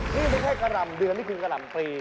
นี่ไม่ใช่กะหล่ำเดือนนี่คือกะหล่ำปลี